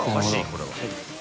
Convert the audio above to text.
これは。